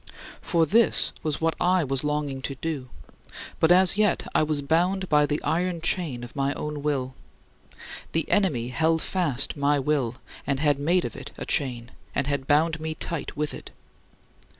For this was what I was longing to do; but as yet I was bound by the iron chain of my own will. The enemy held fast my will, and had made of it a chain, and had bound me tight with it.